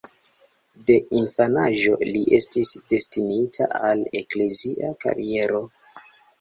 De infanaĝo li estis destinita al eklezia kariero.